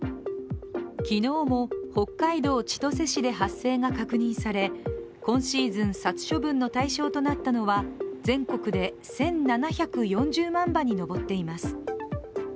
昨日も北海道千歳市で発生が確認され今シーズン、殺処分の対象となったのは全国で１７４０万羽に上っています。